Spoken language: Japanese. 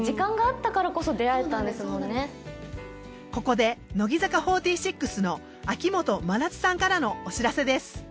ここで乃木坂４６の秋元真夏さんからのお知らせです。